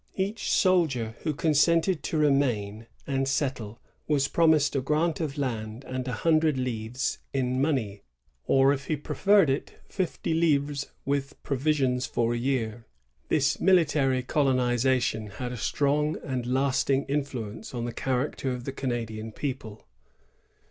^ Each soldier who consented to remain and settle was promised a grant of land and a hun dred livres in money; or, if he preferred it, fifty livres with provisions for a year. This military colonization had a strong and lasting influence on the character of the Canadian people.